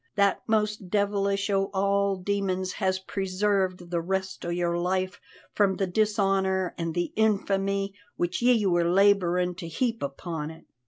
That most devilish o' all demons has presarved the rest o' your life from the dishonour an' the infamy which ye were labourin' to heap upon it.